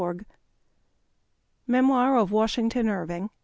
28 Memoir of Washington Irving.